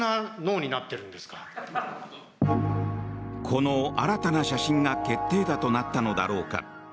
この新たな写真が決定打となったのだろうか。